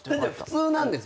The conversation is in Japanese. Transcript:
普通なんですもん。